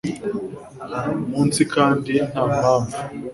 munsi kandi nta mpamvu